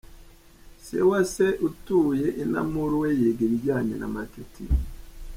Sewase atuye i Namur we yiga ibijyanye na Marketing.